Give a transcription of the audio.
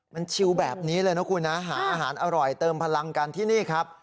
มันชิวแบบนี้เลยนะคุณนะหาอาหารอร่อยเติมพลังกันที่นี่ครับ